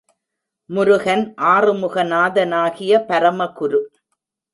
முருகன் ஆறுமுக நாதனாகிய பரமகுரு.